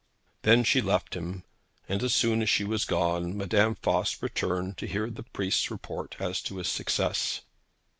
Then she left him, and as soon as she was gone, Madame Voss returned to hear the priest's report as to his success.